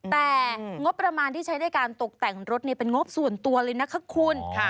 แต่งบประมาณที่ใช้ในการตกแต่งรถเป็นงบส่วนตัวเลยนะคะคุณ